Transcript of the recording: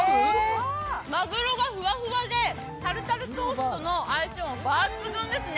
まぐろがふわふわでタルタルソースとの相性抜群ですね。